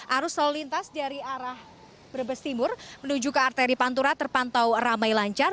arus lalu lintas dari arah brebes timur menuju ke arteri pantura terpantau ramai lancar